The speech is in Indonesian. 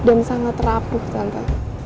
dan sangat rapuh tante